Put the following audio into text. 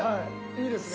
いいですね。